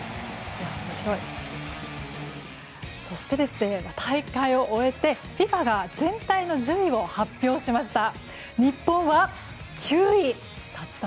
そして、大会を終えてＦＩＦＡが全体の順位を発表しました。